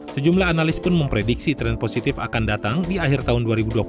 sejumlah analis pun memprediksi tren positif akan datang di akhir tahun dua ribu dua puluh satu